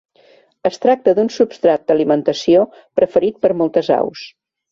Es tracta d'un substrat d'alimentació preferit per a moltes aus.